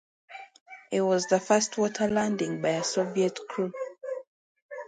It was the first water landing by a Soviet crew.